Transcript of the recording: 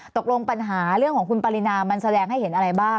ตกลงปัญหาเรื่องของคุณปรินามันแสดงให้เห็นอะไรบ้าง